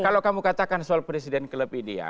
kalau kamu katakan soal presiden kelebih dia